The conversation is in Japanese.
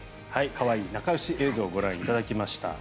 可愛い仲よし映像をご覧いただきました。